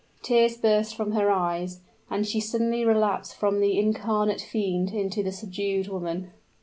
Tears burst from her eyes, and she suddenly relapsed from the incarnate fiend into the subdued woman.